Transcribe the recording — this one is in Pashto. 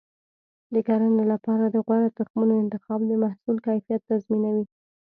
د کرنې لپاره د غوره تخمونو انتخاب د محصول کیفیت تضمینوي.